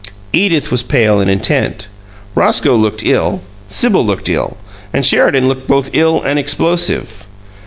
Edith was pale and intent. Roscoe looked ill; Sibyl looked ill; and Sheridan looked both ill and explosive.